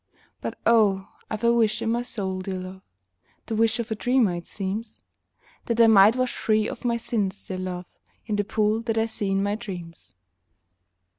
But, oh, I 've a wish in my soul, dear love, (The wish of a dreamer, it seems,) That I might wash free of my sins, dear love, In the pool that I see in my dreams.